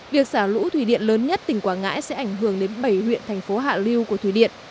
việc xả lũ thủy điện lớn nhất tỉnh quảng ngãi sẽ ảnh hưởng đến bảy huyện thành phố hạ lưu của thủy điện